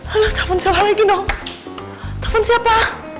aduh telepon siapa lagi no telepon siapa